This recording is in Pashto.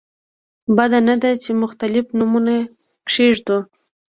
بده نه ده چې مختلف نومونه کېږدو.